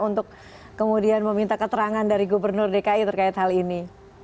untuk kemudian meminta keterangan dari gubernur dki terkait hal ini